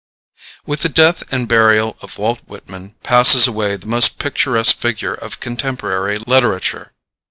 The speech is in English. With the death and burial of Walt Whitman passes away the most picturesque figure of contemporary literature.